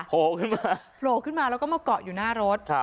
โผล่ขึ้นมาโผล่ขึ้นมาแล้วก็มาเกาะอยู่หน้ารถ